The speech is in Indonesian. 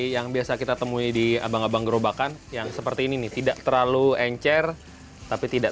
yang biasa kita temui di abang abang gerobakan yang seperti ini nih tidak terlalu encer tapi tidak